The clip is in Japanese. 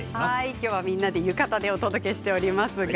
今日はみんなで浴衣でお届けしています。